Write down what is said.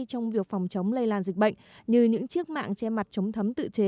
trong việc phòng chống lây lan dịch bệnh như những chiếc mạng che mặt chống thấm tự chế